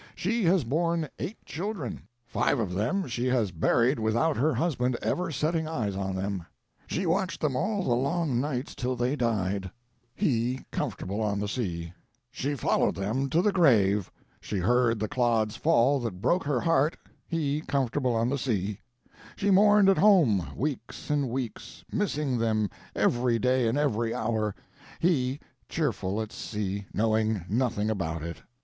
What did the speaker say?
She has borne eight children; five of them she has buried without her husband ever setting eyes on them. She watched them all the long nights till they died he comfortable on the sea; she followed them to the grave, she heard the clods fall that broke her heart he comfortable on the sea; she mourned at home, weeks and weeks, missing them every day and every hour he cheerful at sea, knowing nothing about it.